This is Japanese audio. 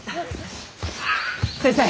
先生！